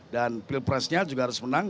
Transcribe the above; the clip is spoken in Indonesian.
dan pilpresnya juga harus menang